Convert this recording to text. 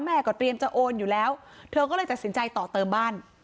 เตรียมจะโอนอยู่แล้วเธอก็เลยตัดสินใจต่อเติมบ้าน